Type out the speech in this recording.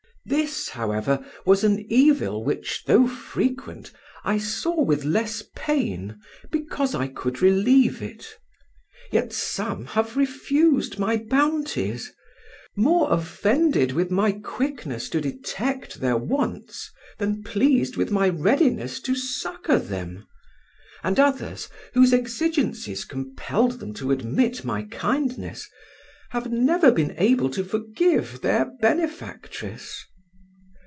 "This, however, was an evil which, though frequent, I saw with less pain, because I could relieve it. Yet some have refused my bounties; more offended with my quickness to detect their wants than pleased with my readiness to succour them; and others, whose exigencies compelled them to admit my kindness, have never been able to forgive their benefactress.